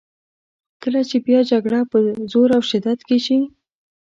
کله چې بیا جګړه په زور او شدت کې شي.